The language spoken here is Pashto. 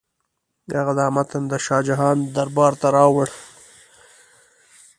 هغه دا متن د شاه جهان دربار ته راوړ.